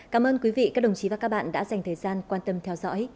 cảm ơn quý vị các đồng chí và các bạn đã dành thời gian quan tâm theo dõi